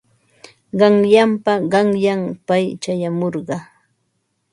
Qanyanpa qanyan pay chayamurqa.